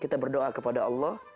kita berdoa kepada allah